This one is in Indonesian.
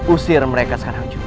usir mereka sekarang juga